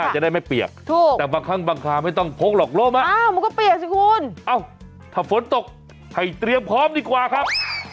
จะได้ไม่เปียกแต่บางครั้งบางคราวไม่ต้องพกหรอกล้มมันก็เปียกสิคุณถ้าฝนตกให้เตรียมพร้อมดีกว่าครับ